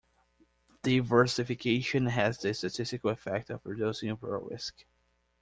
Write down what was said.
Diversification has the statistical effect of reducing overall risk.